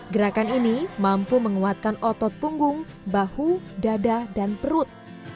gerakan ini mampu menguatkan otot punggung bahu dada dan perut